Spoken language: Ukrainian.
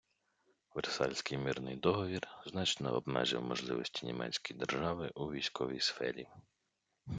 Версальський мирний договір значно обмежив можливості Німецької держави у військовій сфері.